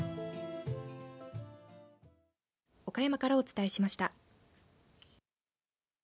岡山からお伝えしました。